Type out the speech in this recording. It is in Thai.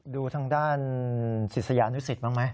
ดูทางด้านศิษยานุสิตบ้างไหม